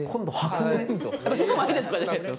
私の前でとかじゃないですよ